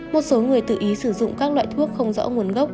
một số người tự ý sử dụng các loại thuốc không rõ nguồn gốc